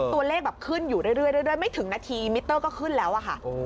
แบบขึ้นอยู่เรื่อยไม่ถึงนาทีมิเตอร์ก็ขึ้นแล้วอะค่ะ